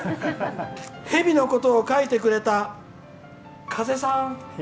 蛇のことを書いてくれたかせさん。